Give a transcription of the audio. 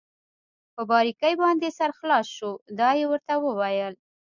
په باریکۍ باندې دې سر خلاص شو؟ دا يې ورته وویل.